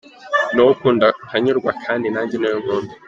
Ni wowe ukunda nkanyurwa kandi nanjye ni wowe nkunda".